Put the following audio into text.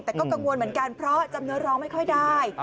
แต่ก็กังวลเหมือนกันเพราะจำเนื้อร้องไม่ค่อยได้